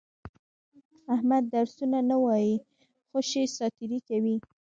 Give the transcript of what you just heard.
احمد درسونه نه وایي، خوشې ساتېري کوي.